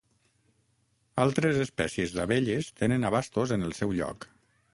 Altres espècies d'abelles tenen abastos en el seu lloc.